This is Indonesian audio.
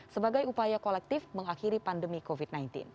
sebagai upaya kolektif mengakhiri pandemi covid sembilan belas